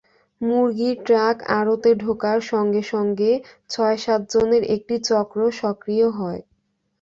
মুরগির ট্রাক আড়তে ঢোকার সঙ্গে সঙ্গে ছয়-সাতজনের একটি চক্র সক্রিয় হয়।